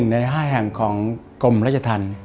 ใน๕แห่งของกรมราชธรรม